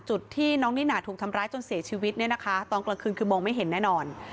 จุดที่น้องนิน่าถูกทำร้ายจนเสียชีวิตเนี่ยนะคะตอนกลางคืนคือมองไม่เห็นแน่นอน